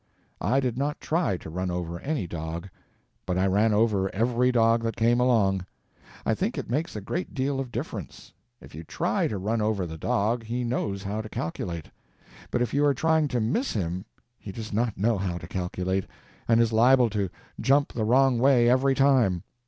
I did not try to run over any dog. But I ran over every dog that came along. I think it makes a great deal of difference. If you try to run over the dog he knows how to calculate, but if you are trying to miss him he does not know how to calculate, and is liable to jump the wrong way every time.